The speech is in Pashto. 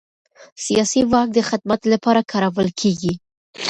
سیاسي واک د خدمت لپاره کارول کېږي